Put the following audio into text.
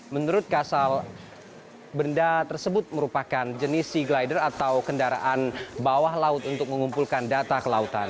menurut kasal benda tersebut merupakan jenis sea glider atau kendaraan bawah laut untuk mengumpulkan data kelautan